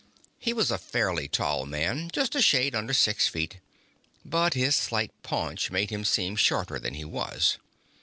He was a fairly tall man, just a shade under six feet, but his slight paunch made him seem shorter than he was.